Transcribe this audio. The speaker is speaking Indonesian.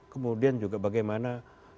kemudian juga bagaimana